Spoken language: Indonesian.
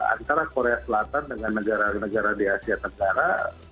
antara korea selatan dengan negara negara di asia tenggara